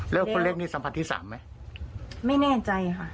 แล้วคนเล็กนี่สัมผัสที่สามไหมไม่แน่ใจค่ะ